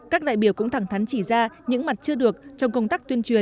các đại biểu cũng thẳng thắn chỉ ra những mặt chưa được trong công tác tuyên truyền